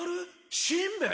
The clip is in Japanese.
しんべヱ？